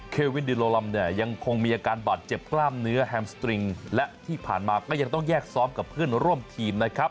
เควินดิโลลัมเนี่ยยังคงมีอาการบาดเจ็บกล้ามเนื้อแฮมสตริงและที่ผ่านมาก็ยังต้องแยกซ้อมกับเพื่อนร่วมทีมนะครับ